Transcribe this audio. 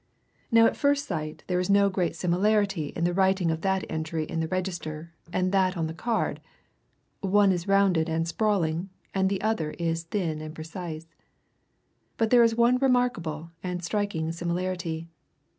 Now at first sight there is no great similarity in the writing of that entry in the register and that on the card one is rounded and sprawling, and the other is thin and precise. But there is one remarkable and striking similarity.